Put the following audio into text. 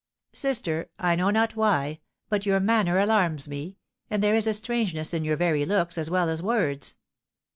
"Sister, I know not why, but your manner alarms me, and there is a strangeness in your very looks as well as words!"